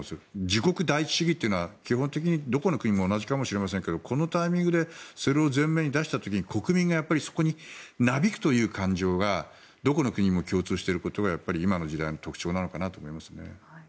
自国第一主義っていうのは基本的にどこの国も同じかもしれませんがこのタイミングでそれを前面に出した時に国民がそれになびくという感情がどこの国も共通していることが今の時代の特徴なのかなと思いますね。